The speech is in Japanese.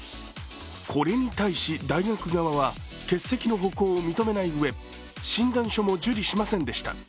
これに対し、大学側は欠席の補講を認めないうえ診断書も受理しませんでした。